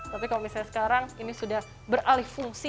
tapi kalau misalnya sekarang ini sudah beralih fungsi